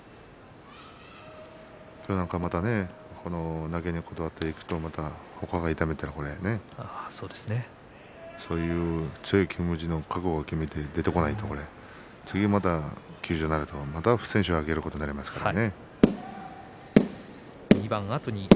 今日なんか、また投げにこだわっていくと他を痛めたりそういう強い気持ちの覚悟を決めて出てこないと次また休場になるとまた不戦勝をあげることになりますからね。